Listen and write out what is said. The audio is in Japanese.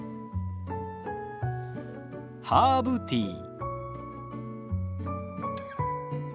ハーブティー。